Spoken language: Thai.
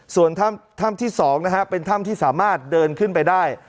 ส่วนถ้ำที่๒นะฮะเป็นถ้ำที่สามารถเดินขึ้นไปได้